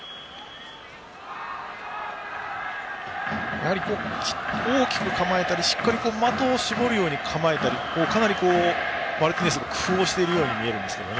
やはり大きく構えたりしっかり的を絞るように構えたりかなりマルティネスが工夫しているように見えますが。